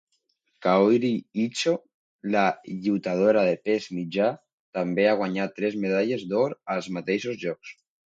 Kaori Icho, la lluitadora de pes mitjà, també ha guanyat tres medalles d'or als mateixos jocs.